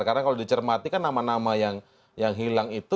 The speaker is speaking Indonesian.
karena kalau dicermati kan nama nama yang hilang itu